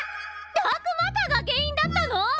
ダークマターが原因だったの？